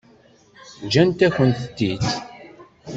Ǧǧant-akent-tent-id.